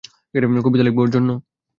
কবিতা লিখব ওর জন্য?